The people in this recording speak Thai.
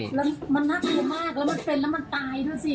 แล้วมันน่ากลัวมากแล้วมันเป็นแล้วมันตายด้วยสิ